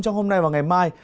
trong hôm nay và ngày mai